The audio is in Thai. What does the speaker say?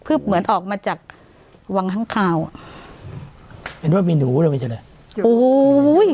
พลือบเหมือนออกมาจากวังทั้งข้าวเป็นว่ามีหนูอะไรไม่ใช่เลยโอ้ย